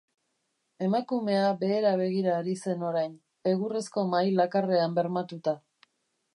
Emakumea behera begira ari zen orain, egurrezko mahai lakarrean bermatuta.